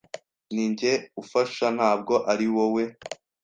Ninjye ufasha ntabwo ari wowe.